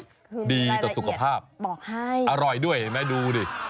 คือมีรายละเอียดบอกให้ดีแต่สุขภาพอร่อยด้วยเห็นไหมดูดิ